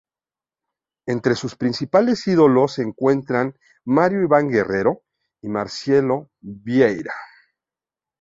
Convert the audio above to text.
Entre sus principales ídolos se encuentran Mario Iván Guerrero y Marcelo Vieira.